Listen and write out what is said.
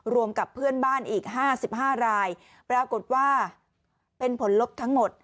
กับเพื่อนบ้านอีก๕๕รายปรากฏว่าเป็นผลลบทั้งหมด